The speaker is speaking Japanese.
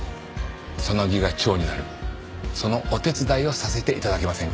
サナギが蝶になるそのお手伝いをさせて頂けませんか？